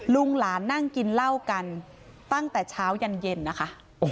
ลุงหลานนั่งกินเหล้ากันตั้งแต่เช้ายันเย็นนะคะ